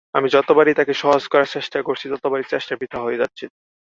আমি যতবারই তাঁকে সহজ করার চেষ্টা করছি, ততবারই চেষ্টা বৃথা হয়ে যাচ্ছিল।